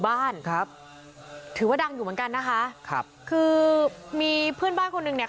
บ้านครับถือว่าดังอยู่เหมือนกันนะคะครับคือมีเพื่อนบ้านคนหนึ่งเนี่ย